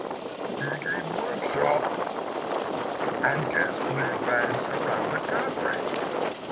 He gave workshops and guest-led bands around the country.